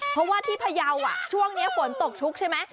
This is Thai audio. เพราะว่าที่พยาวช่วงนี้ฝนตกชุกใช่ไหม